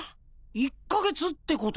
１カ月ってことか？